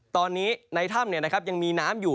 ตอนนี้ในถ้ำยังมีน้ำอยู่